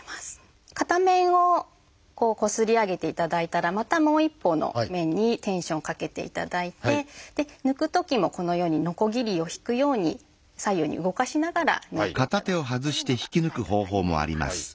片面をこすり上げていただいたらまたもう一方の面にテンションをかけていただいて抜くときもこのようにノコギリをひくように左右に動かしながら抜いていただくというのが使い方になります。